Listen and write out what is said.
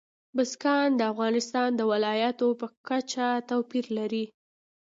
بزګان د افغانستان د ولایاتو په کچه توپیر لري.